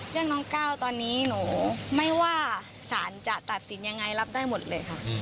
เรื่องน้องก้าวตอนนี้หนูไม่ว่าสารจะตัดสินยังไงรับได้หมดเลยค่ะ